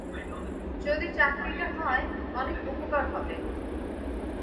যদি চাকরিটা হয় অনেক উপকার হবে।